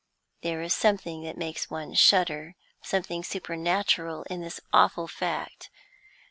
There is something that makes one shudder, something supernatural in this awful fact.